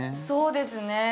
そうですね。